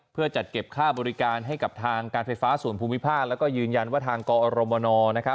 เพื่อจัดเก็บค่าบริการให้กับทางการไฟฟ้าส่วนภูมิภาคแล้วก็ยืนยันว่าทางกอรมน